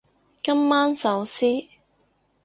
今晚壽司